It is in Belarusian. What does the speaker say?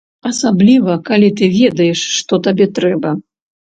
Асабліва, калі ты ведаеш, што табе трэба.